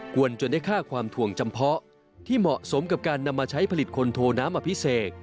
วนจนได้ค่าความถ่วงจำเพาะที่เหมาะสมกับการนำมาใช้ผลิตคนโทน้ำอภิเษก